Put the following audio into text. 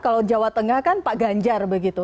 kalau jawa tengah kan pak ganjar begitu